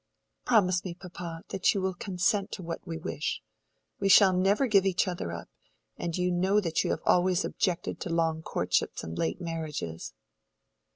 "Promise me, papa, that you will consent to what we wish. We shall never give each other up; and you know that you have always objected to long courtships and late marriages."